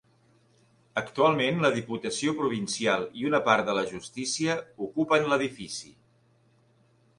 Actualment la diputació provincial i una part de la justícia ocupen l'edifici.